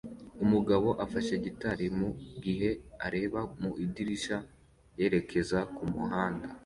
Umugabo afashe gitari mu gihe areba mu idirishya yerekeza ku muhanda